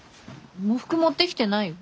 喪服持ってきてないよ。